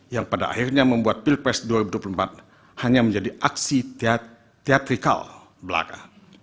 yang pada akhirnya membuat pilpres dua ribu dua puluh empat hanya menjadi aksi teatrikal belaka